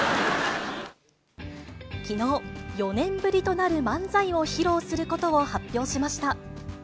きのう、４年ぶりとなる漫才を披露することを発表しました。